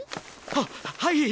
はっはい。